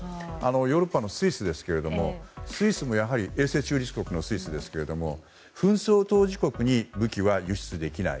ヨーロッパのスイスもやはり永世中立国のスイスですけど紛争当事国に武器は輸出できない。